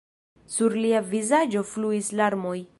Sur lia vizaĝo fluis larmoj.